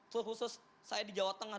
terus khusus saya di jawa tengah